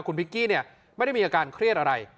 คุณพิกกี้ไม่ได้มีอาการเครียดอะไร